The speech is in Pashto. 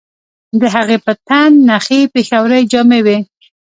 د هغې په تن نخي پېښورۍ جامې وې